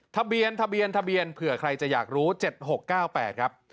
ทะเบียนเผื่อใครจะอยากรู้๗๖๙๘ครับ